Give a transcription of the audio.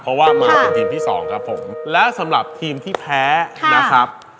เพราะว่ามาเป็นทีมที่สองครับผมและสำหรับทีมที่แพ้นะครับ